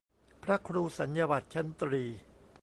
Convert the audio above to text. พระครูสัญญาบัตรชั้นตรี